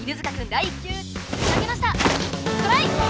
第１球投げましたストライク！